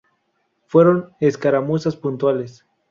Fueron escaramuzas puntuales.